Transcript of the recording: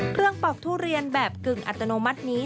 ปอกทุเรียนแบบกึ่งอัตโนมัตินี้